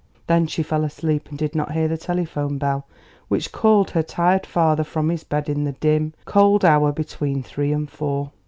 Then she fell asleep, and did not hear the telephone bell which called her tired father from his bed in the dim, cold hour between three and four.